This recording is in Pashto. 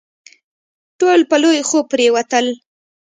ټول په لوی خوب پرېوتل.